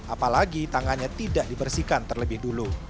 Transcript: apalagi tangannya tidak dibersihkan terlebih dulu